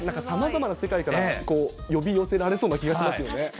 さまざまな世界から、呼び寄せられそうな気がしますよね。